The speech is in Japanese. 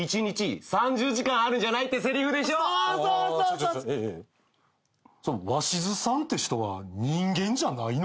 その鷲津さんって人は人間じゃないの？